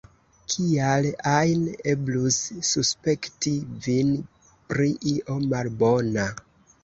Kial ajn eblus suspekti vin pri io malbona!